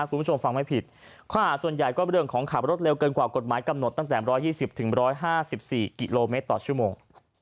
คุณผู้ชมฟังไม่ผิดค่ะส่วนใหญ่ก็เป็นเรื่องของขาบรถเร็วกันกว่ากฎหมายกำหนดตั้งแต่ร้อยยี่สิบถึงร้อยห้าสิบสี่กิโลเมตรอจชั่วโมง